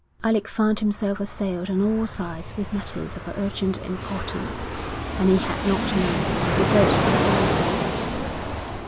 Alec found himself assailed on all sides with matters of urgent importance, and he had not a moment to devote to his own affairs.